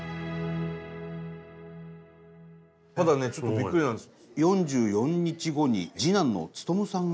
ただねちょっとびっくりなんです。